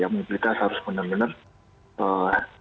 mobilitas harus benar benar